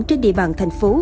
trên địa bàn tp hcm